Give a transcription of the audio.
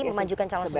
memajukan calon presiden